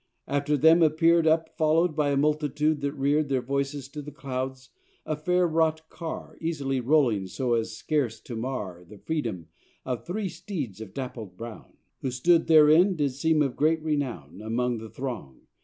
After them appear'd, Up follow'd by a multitude that rear'd Their voices to the clouds, a fair wrought car Easily rolling so as scarce to mar The freedom of three steeds of dapple brown; Who stood therein did seem of great renown Among the throng.